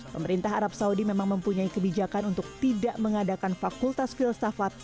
pemerintah arab saudi memang mempunyai kebijakan untuk tidak mengadakan fakultas filsafat